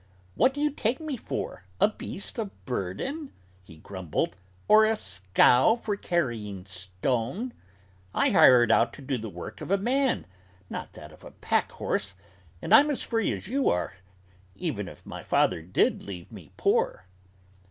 "What do you take me for, a beast of burden?" he grumbled, "or a scow for carrying stone? I hired out to do the work of a man, not that of a pack horse, and I'm as free as you are, even if my father did leave me poor!"